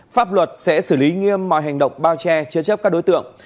pháp luật sẽ xử lý nghiêm mọi hành động bao che chế chấp các đối tượng